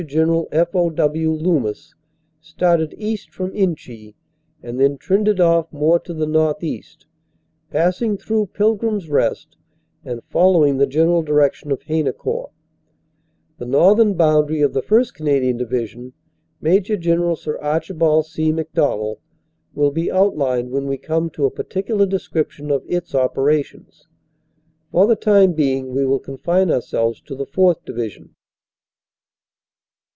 General F. O. W. Loomis, started east from Inchy, and then trended off more to the northeast, pass ing through Pilgrim s Rest and following the general direction of Haynecourt. The northern boundary of the 1st. Canadian Division, Maj. General Sir Archibald C. Macdonell, will be outlined when we come to a particular description of its opera tions. For the time being we will confine ourselves to the 4th. Division.